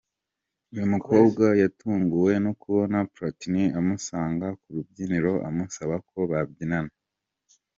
Uyu mukobwa yatunguwe no kubona Platini amusanga ku rubyiniro amusaba ko babyinana.